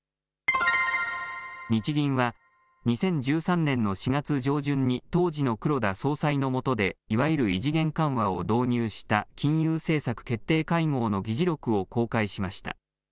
日銀は２０１３年の４月上旬に当時の黒田総裁のもとでいわゆる異次元緩和を導入した金融政策決定会合の議事録を公開しました。